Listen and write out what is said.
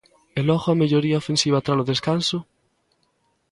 E logo a melloría ofensiva tralo descanso.